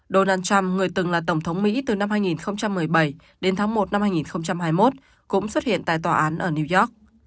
donald trump người từng là tổng thống mỹ từ năm hai nghìn một mươi bảy đến tháng một năm hai nghìn hai mươi một cũng xuất hiện tại tòa án ở new york